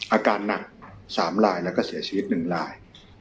อาการหนัก๓ลายแล้วก็เสียชีวิต๑ลาย